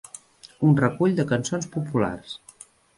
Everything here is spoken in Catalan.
Un recull de cançons populars.